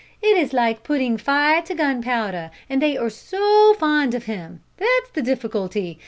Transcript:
It is like putting fire to gunpowder, and they are so fond of him. That's the difficulty.